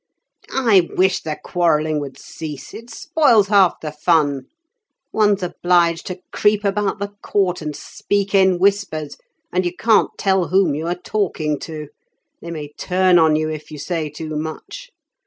"I wish the quarrelling would cease; it spoils half the fun; one's obliged to creep about the court and speak in whispers, and you can't tell whom you are talking to; they may turn on you if you say too much.